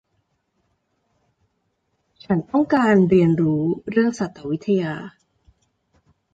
ฉันต้องการเรียนรู้เรื่องสัตววิทยา